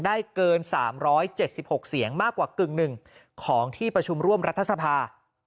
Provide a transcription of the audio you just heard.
ได้เกิน๓๗๖เสียงมากกว่ากึ่งหนึ่งของที่ประชุมร่วมรัฐสภา